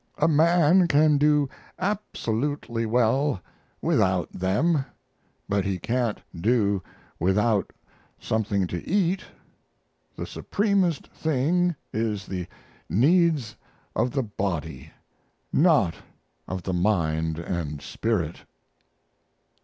A man can do absolutely well without them, but he can't do without something to eat. The supremest thing is the needs of the body, not of the mind & spirit.